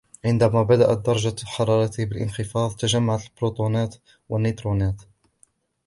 عندما بدأت درجة حرارته بالانخفاض تجمعت البروتونات والنيترونات